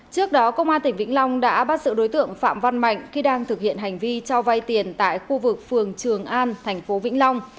trước đó công an tỉnh vĩnh long đã bắt sự đối tượng phạm văn mạnh khi đang thực hiện hành vi cho vay tiền tại khu vực phường trường an thành phố vĩnh long